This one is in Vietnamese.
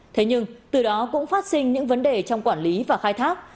thế nhưng từ đó cũng phát sinh những vấn đề trong quản lý và khai thác